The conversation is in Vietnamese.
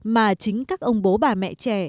mà chính các ông bố bà mẹ trẻ